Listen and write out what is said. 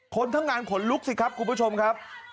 คนทั้งงานขนลุกสิครับคุณผู้ชมครับ